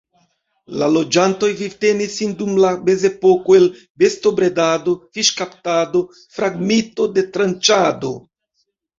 La loĝantoj vivtenis sin dum la mezepoko el bestobredado, fiŝkaptado, fragmito-detranĉado.